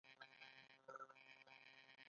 افغانستان باید څنګه ژوندی وي؟